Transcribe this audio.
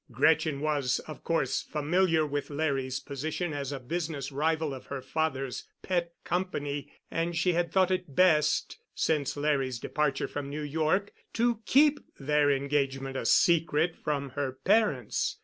Gretchen was, of course, familiar with Larry's position as a business rival of her father's pet company, and she had thought it best, since Larry's departure from New York, to keep their engagement a secret from her parents.